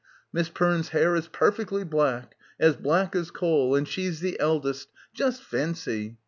'Miss Perne's hair is perfectly black — as black as coal, and she's the eldest, just fancy.